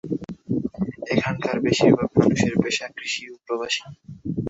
এখানকার বেশিরভাগ মানুষের পেশা কৃষি ও প্রবাসী।